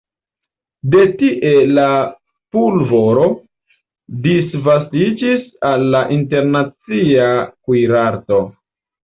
De tie la pulvoro disvastiĝis al la internacia kuirarto.